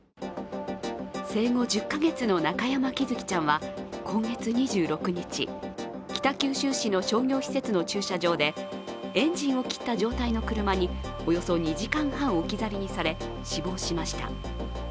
生後１０か月の中山喜寿生ちゃんは今月２６日北九州市の商業施設の駐車場でエンジンを切った状態の車におよそ２時間半置き去りにされ、死亡しました。